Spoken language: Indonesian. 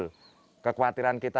itu kekhawatiran kita